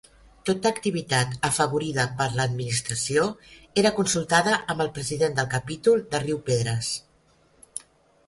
Tota activitat afavorida per l'administració era consultada amb el president del Capítol de Riu Pedres.